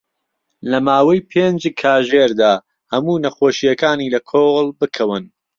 لەماوەی پێنج كاژێردا هەموو نەخۆشیەكانی لە كۆڵ بكەون